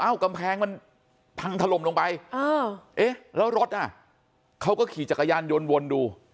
กำแพงมันพังถล่มลงไปเอ๊ะแล้วรถอ่ะเขาก็ขี่จักรยานยนต์วนดู